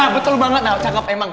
betul banget nah cakep emang